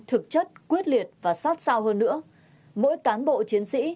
thực chất quyết liệt và sát sao hơn nữa mỗi cán bộ chiến sĩ